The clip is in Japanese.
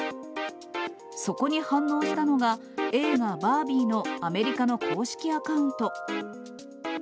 そこに反応したのが映画、バービーのアメリカの公式アカウント。